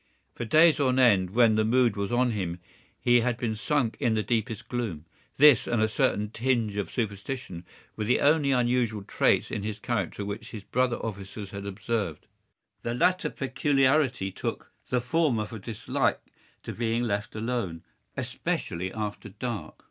For days on end, when the mood was on him, he has been sunk in the deepest gloom. This and a certain tinge of superstition were the only unusual traits in his character which his brother officers had observed. The latter peculiarity took the form of a dislike to being left alone, especially after dark.